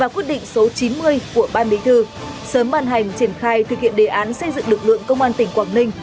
quyết định số chín mươi của ban bí thư sớm bàn hành triển khai thực hiện đề án xây dựng lực lượng công an tỉnh quảng ninh